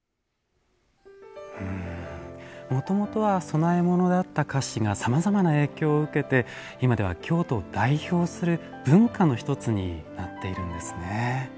もともとは供え物だった菓子がさまざまな影響を受けて今では京都を代表する文化の１つになっているんですね。